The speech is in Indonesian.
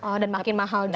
oh dan makin mahal juga